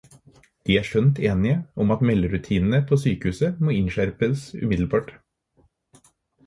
De er skjønt enige om at melderutinene på sykehuset må innskjerpes umiddelbart.